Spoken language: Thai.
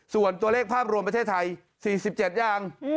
ส่วนตัวเลขภาพรวมประเทศไทย๔๗อย่าง